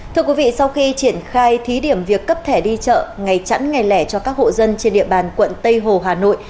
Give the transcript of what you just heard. thưa quý vị sau khi triển khai thí điểm việc cấp thẻ đi chợ ngày chẵn ngày lẻ cho các hộ dân trên địa bàn quận tây hồ hà nội